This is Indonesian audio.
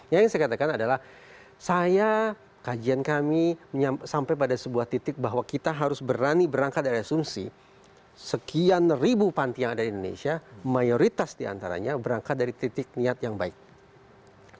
yang saya katakan adalah saya kajian kami sampai pada sebuah titik bahwa kita harus berani berangkat dari asumsi sekian ribu panti yang ada di indonesia mayoritas diantaranya berangkat dari titik niat yang baik